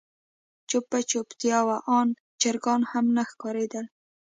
چوپه چوپتيا وه آن چرګان هم نه ښکارېدل.